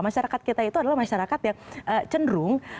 masyarakat kita itu adalah masyarakat yang cenderung